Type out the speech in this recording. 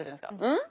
うん？